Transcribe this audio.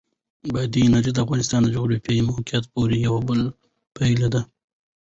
بادي انرژي د افغانستان د جغرافیایي موقیعت پوره یوه پایله ده.